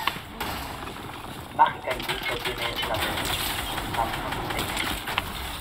Magica incluso tiene un aprendiz, Samson Hex.